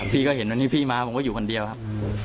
พี่ก็เห็นวันนี้พี่มาผมก็อยู่คนเดียวครับ